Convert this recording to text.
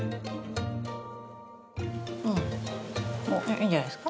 いいんじゃないですか？